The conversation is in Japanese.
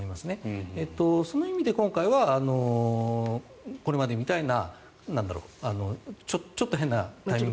その意味で今回はこれまでみたいなちょっと変なタイミングで。